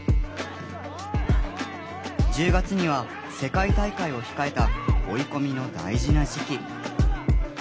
１０月には世界大会を控えた追い込みの大事な時期。